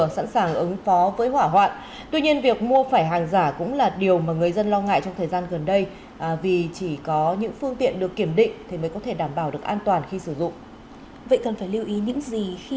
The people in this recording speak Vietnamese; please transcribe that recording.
vậy cần phải lưu ý những gì khi mà trang bị thiết bị phòng cháy chữa cháy cho gia đình